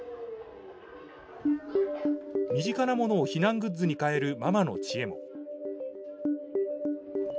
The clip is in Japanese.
身近なものを避難グッズに変えるママの知恵も。